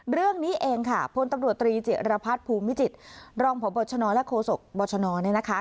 เรื่องนี้เองค่ะพลตำรวจตรีจิรพัฒน์ภูมิจิตรองพบชนและโฆษกบชนเนี่ยนะคะ